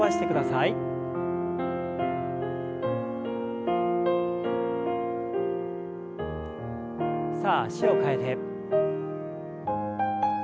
さあ脚を替えて。